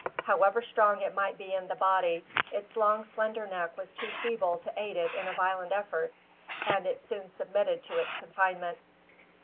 However strong it might be in the body, its long slender neck was too feeble to aid it in a violent effort; and it soon submitted to its confinement.